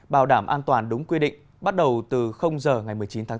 bảo đảm an toàn đúng quy định bắt đầu từ giờ ngày một mươi chín tháng bốn